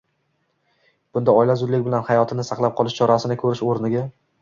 bunda oila zudlik bilan hayotini saqlab qolish chorasini ko‘rish o‘rniga